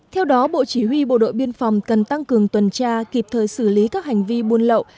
theo đó bộ chỉ huy bộ đội biên phòng cần tăng cường tuần tra kịp thời xử lý các hành vi buôn lậu